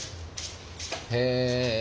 へえ。